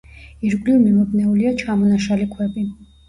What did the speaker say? ირგვლივ მიმობნეულია ჩამონაშალი ქვები.